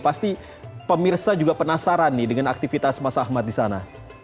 pasti pemirsa juga penasaran nih dengan aktivitas mas ahmad di sana